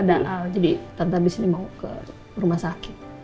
dan al jadi tante abis ini mau ke rumah sakit